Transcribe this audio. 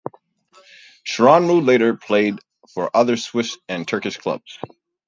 Shorunmu later played for other Swiss and Turkish clubs.